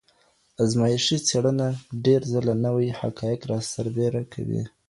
ازمایښتي څېړنه ډېر ځله نوي حقایق راسربېره کوي.